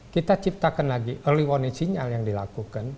kita ciptakan lagi early warning sinyal yang dilakukan